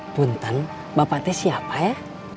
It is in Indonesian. punten bapak teh siapa ya